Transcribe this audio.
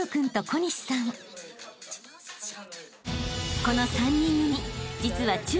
［この３人組実は］